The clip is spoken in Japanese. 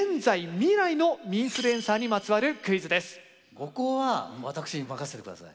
ここは私に任せて下さい。